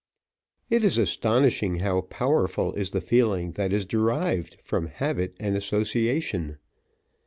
It is astonishing how powerful is the feeling that is derived from habit and association.